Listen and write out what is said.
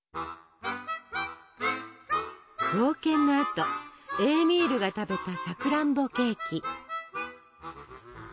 冒険のあとエーミールが食べたさくらんぼケーキ。